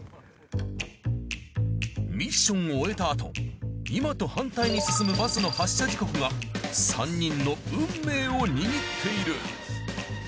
ミッションを終えたあと今と反対に進むバスの発車時刻が３人の運命を握っている。